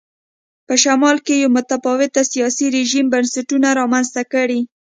په شمال کې یو متفاوت سیاسي رژیم بنسټونه رامنځته کړي.